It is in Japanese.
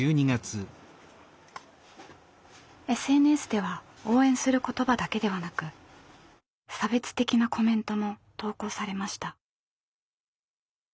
ＳＮＳでは応援する言葉だけではなく差別的なコメントも投稿されました。